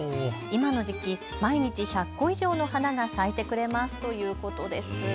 今の時期、毎日１００個以上の花が咲いてくれますということです。